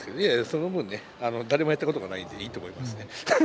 その分ね誰もやったことがないんでいいと思いますね。